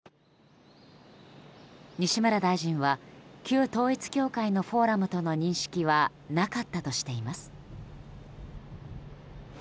西村大臣は旧統一教会のフォーラムとの認識はなかったとしています。